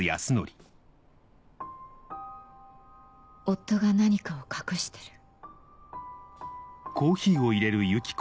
夫が何かを隠してる